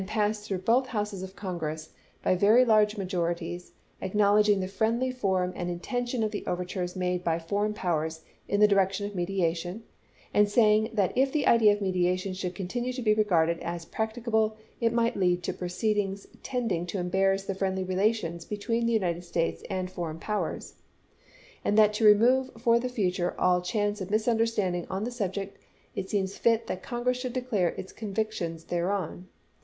*^in passed through both Houses of Congress by very 103 to 28. large majorities, acknowledging the friendly form and intention of the overtures made by foreign powers in the direction of mediation, and saying that if the idea of mediation should continue to be regarded as practicable it might lead to pro ceedings tending to embarrass the friendly relations between the United States and foreign powers, and that to remove for the future all chance of mis understanding on the subject it seems fit that Con gress should declare its convictions thereon.